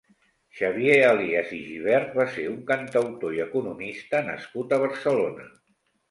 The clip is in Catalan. Xavier Elies i Gibert va ser un cantautor i economista nascut a Barcelona.